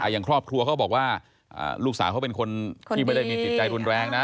อย่างครอบครัวเขาบอกว่าลูกสาวเขาเป็นคนที่ไม่ได้มีจิตใจรุนแรงนะ